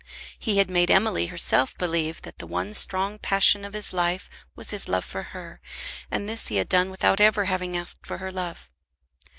He had made Emily herself believe that the one strong passion of his life was his love for her, and this he had done without ever having asked for her love.